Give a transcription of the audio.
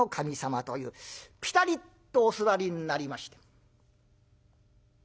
ピタリとお座りになりました。